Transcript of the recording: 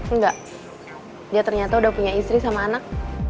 enggak dia ternyata udah punya istri sama anak